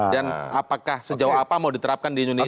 dan apakah sejauh apa mau diterapkan di indonesia